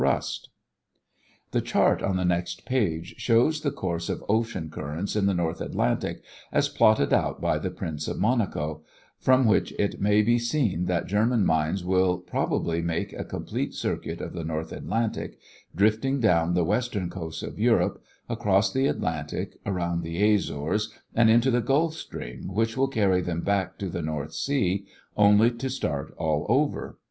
Ocean currents of the North Atlantic showing the probable path of drifting mines] The chart on the next page shows the course of ocean currents in the North Atlantic as plotted out by the Prince of Monaco, from which it may be seen that German mines will probably make a complete circuit of the North Atlantic, drifting down the western coast of Europe, across the Atlantic, around the Azores, and into the Gulf Stream, which will carry them back to the North Sea, only to start all over.